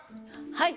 はい。